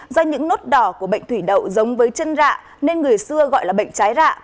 do những nốt đỏ của bệnh thủy đậu giống với chân rạ nên người xưa gọi là bệnh trái rạ